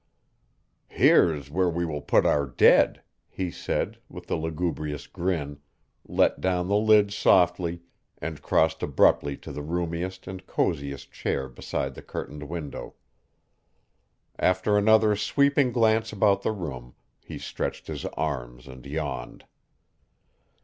"Here's where we will put our dead," he said, with a lugubrious grin, let down the lid softly and crossed abruptly to the roomiest and coziest chair beside the curtained window. After another sweeping glance about the room he stretched his arms and yawned.